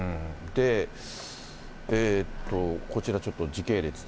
こちらちょっと、時系列で。